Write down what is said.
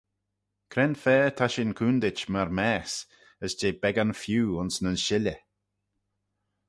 Cre'n-fa ta shin coontit myr maase, as jeh beggan feeu ayns nyn shilley?